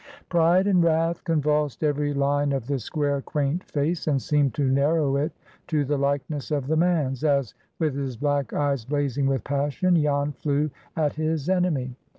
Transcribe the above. Pride and wrath convulsed every line of the square, quaint face, and seemed to narrow it to the likeness of the man's, as, with his black eyes blazing with passion, Jan flew at his enemy.